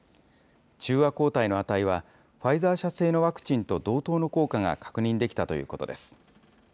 中和抗体の値は、ファイザー社製のワクチンと同等の効果が確認できたということです。